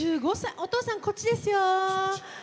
お父さん、こっちですよー！